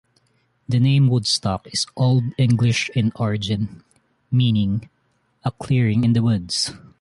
The name Woodstock is Old English in origin, meaning a "clearing in the woods".